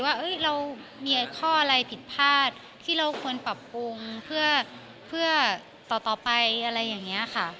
ว่าเรามีข้ออะไรผิดพลาดที่เราควรปรับปรุงเพื่อต่อไปอะไรอย่างนี้ค่ะ